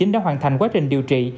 đã hoàn thành quá trình điều trị